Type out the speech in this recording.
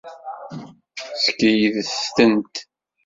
Skeydet-tent.